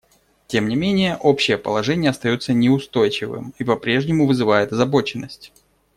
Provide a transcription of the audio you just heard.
Тем не менее, общее положение остается неустойчивым и по-прежнему вызывает озабоченность.